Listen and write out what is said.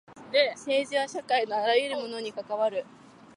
政治は社会のあらゆるものに関わる。